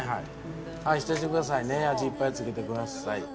浸しといてくださいね、味いっぱいつけてください。